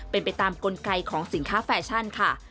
เป็นไปตามกลไกของสินค้าแฟชั่นค่ะ